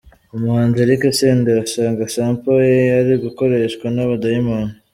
Umuhanzi Eric Senderi asanga Simple A ari gukoreshwa n'abadayimoni .